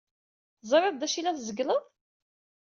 Teẓrid d acu ay la tzeggled?